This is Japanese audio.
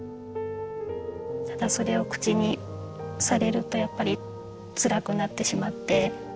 ただそれを口にされるとやっぱりつらくなってしまって。